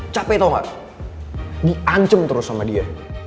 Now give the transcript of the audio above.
capek tau gak diancam terus sama dia